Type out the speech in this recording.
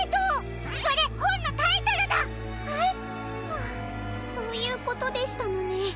はあそういうことでしたのね。